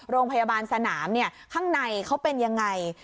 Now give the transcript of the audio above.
โรงพยาบาลสนามข้างในเขาเป็นยังไง